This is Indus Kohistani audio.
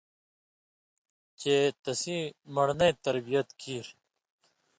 چے تسیں من٘ڑنَیں تربیت کېر